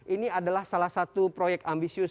ini adalah salah satu proyek ambisius